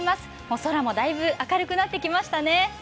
空も大分、明るくなってきましたね